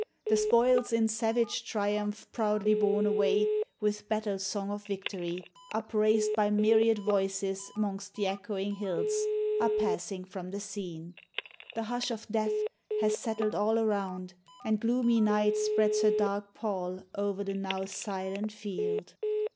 The spoils In savage triumph proudly borne away With battle song of victory, upraised By myriad voices 'mongst the echoing hills, Are passing from the scene. The hush of death Has settled all around; and gloomy night Spreads her dark pall o'er the now silent field.